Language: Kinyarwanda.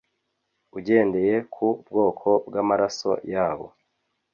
ugendeye ku bwoko bw’amaraso yabo